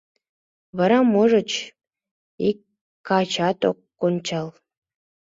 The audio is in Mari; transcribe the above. Вара, можыч, ик качат ок ончал...